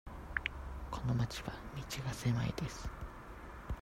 この町は道が狭いです。